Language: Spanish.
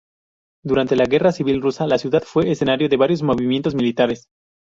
Durante la Guerra Civil Rusa, la ciudad fue escenario de varios movimientos militares.